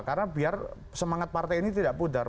karena biar semangat partai ini tidak pudar